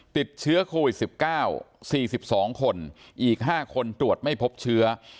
ติดเชื้อโควิด๑๙๔๒คนอีก๕คนตรวจไม่พบเชื้อ